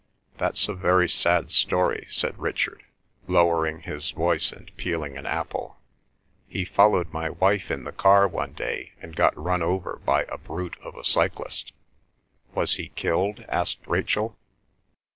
"That's a very sad story," said Richard, lowering his voice and peeling an apple. "He followed my wife in the car one day and got run over by a brute of a cyclist." "Was he killed?" asked Rachel.